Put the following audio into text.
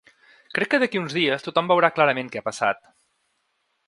Crec que d’aquí a uns dies tothom veurà clarament què ha passat.